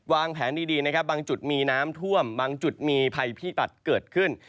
วางแผนดีนะครับบางจุดมีน้ำท่วมบางจุดมีภัยพิบัติเกิดขึ้น